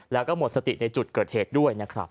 แล้วก็หมดสติในจุดเกิดเหตุด้วยนะครับ